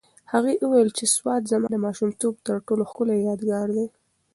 هغې وویل چې سوات زما د ماشومتوب تر ټولو ښکلی یادګار دی.